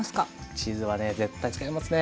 チーズはね絶対使いますね！